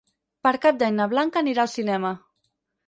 Per Cap d'Any na Blanca anirà al cinema.